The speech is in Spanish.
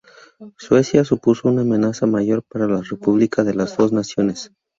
Suecia supuso una amenaza mayor para la República de las Dos Naciones.